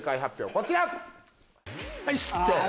こちら。